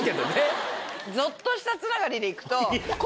ゾッとしたつながりで行くと。